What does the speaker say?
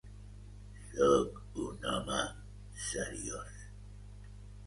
Sóc un home seriós.